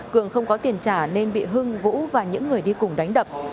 cường không có tiền trả nên bị hưng vũ và những người đi cùng đánh đập